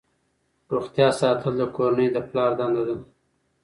روغتیا ساتل د کورنۍ د پلار دنده ده.